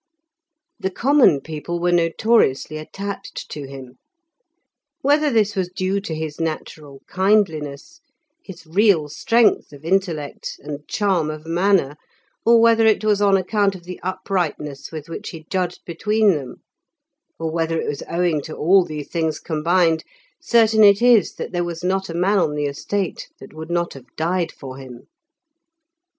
The common people were notoriously attached to him. Whether this was due to his natural kindliness, his real strength of intellect, and charm of manner, or whether it was on account of the uprightness with which he judged between them, or whether it was owing to all these things combined, certain it is that there was not a man on the estate that would not have died for him.